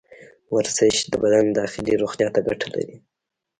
ورزش د بدن داخلي روغتیا ته ګټه لري.